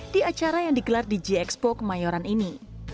di acara yang digelar di gxpo kemayoran ini